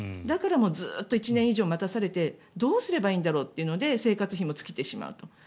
だからずっと１年以上待たされてどうすればいいんだろうというのが生活費も尽きてしまうと。